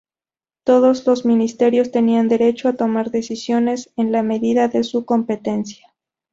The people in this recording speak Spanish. Todos los ministerios tenían derecho a tomar decisiones en la medida de su competencia.